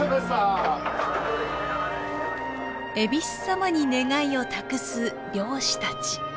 えびす様に願いを託す漁師たち。